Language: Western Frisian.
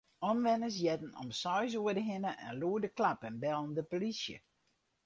Omwenners hearden om seis oere hinne in lûde klap en bellen de plysje.